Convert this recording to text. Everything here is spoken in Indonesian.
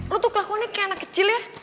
lo tuh kelakuannya kayak anak kecil ya